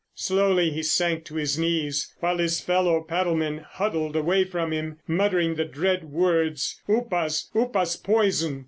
Slowly he sank to his knees, while his fellow paddlemen huddled away from him, muttering the dread words, "Upas, Upas poison!